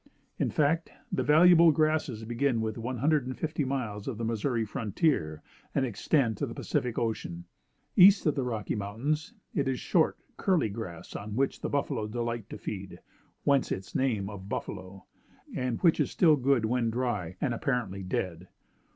In fact the valuable grasses begin within one hundred and fifty miles of the Missouri frontier and extend to the Pacific Ocean. East of the Rocky Mountains, it is the short, curly grass, on which the buffalo delight to feed (whence its name of buffalo), and which is still good when dry and apparently dead.